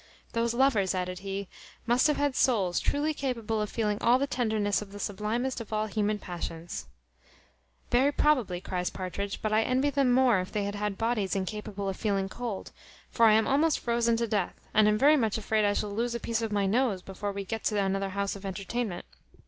"Those lovers," added he, "must have had souls truly capable of feeling all the tenderness of the sublimest of all human passions." "Very probably," cries Partridge: "but I envy them more, if they had bodies incapable of feeling cold; for I am almost frozen to death, and am very much afraid I shall lose a piece of my nose before we get to another house of entertainment.